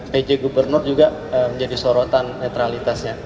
pj gubernur juga menjadi sorotan netralitasnya